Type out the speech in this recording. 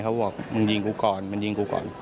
เขาบอกมึงยิงกูก่อนมึงยิงกูก่อน